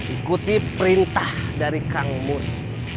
ikuti perintah dari kang mus